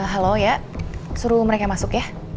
halo ya suruh mereka masuk ya